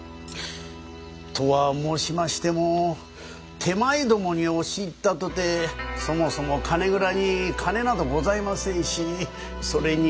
とは申しましても手前どもに押し入ったとてそもそも金蔵に金などございませんしそれに。